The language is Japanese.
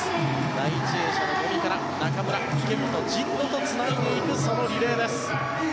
第１泳者の五味から中村、池本、神野とつないでいくそのリレーです。